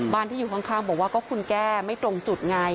ที่อยู่ข้างบอกว่าก็คุณแก้ไม่ตรงจุดไง